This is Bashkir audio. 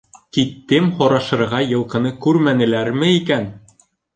Киттем һорашырға, йылҡыны күрмәнеләрме икән?